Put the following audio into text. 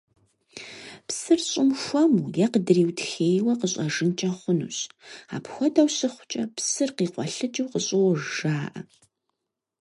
Псыр щӀым хуэму е къыдриутхейуэ къыщӀэжынкӀэ хъунущ, апхуэдэу щыхъукӀэ «Псыр къикъуэлъыкӀыу къыщӀож» жаӀэ.